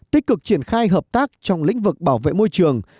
tích cực triển khai hợp tác trong lĩnh vực bảo vệ môi trường